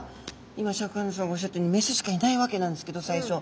今シャーク香音さまおっしゃったようにメスしかいないわけなんですけど最初。